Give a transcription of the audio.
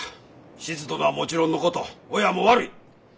志津殿はもちろんのこと親も悪い！